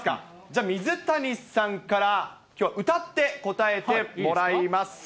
じゃあ、水谷さんからきょうは歌って答えてもらいます。